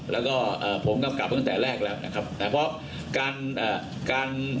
แล้วก็ผมกำกับตั้งแต่แรกแล้วนะครับเพราะการ